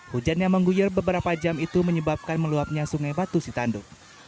hujan yang mengguyur beberapa jam itu menyebabkan meluapnya sungai batu sitandu